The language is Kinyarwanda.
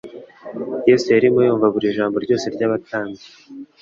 Yesu yarimo yumva buri jambo ryose y'abatambyi: